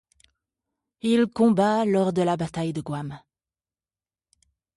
Il combat lors de la bataille de Guam.